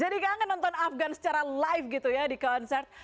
jadi kangen nonton afgan secara live gitu ya di konsert